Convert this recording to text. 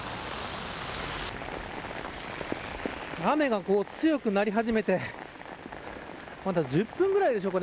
雨が強くなり始めてまだ１０分ぐらいでしょうか。